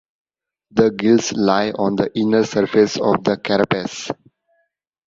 The gills lie on the inner surface of the carapace.